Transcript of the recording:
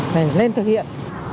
phải lên thực hiện